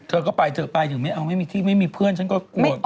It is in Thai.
เธอก็ไปเธอไปถึงไม่เอาไม่มีที่ไม่มีเพื่อนฉันก็กลัว